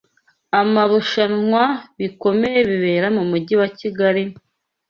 amarushanwa bikomeye bibera mu mujyi wa Kigali,